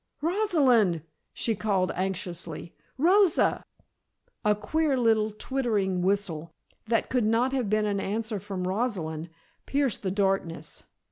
"Rosalind!" she called anxiously. "Rosa!" A queer little twittering whistle, that could not have been an answer from Rosalind, pierced the darkness.